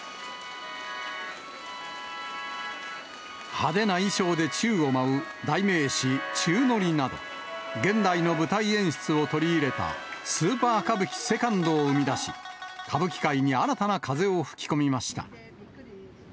派手な衣装で宙を舞う、代名詞、宙乗りなど、現代の舞台演出を取り入れたスーパー歌舞伎セカンドを生み出し、歌舞伎界に新たな風を吹き込みました。